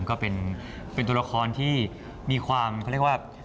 ก็เป็นตัวละครที่มีความเขาเรียกว่า